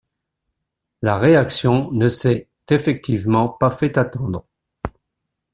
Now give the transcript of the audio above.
La réaction ne s'est effectivement pas fait attendre.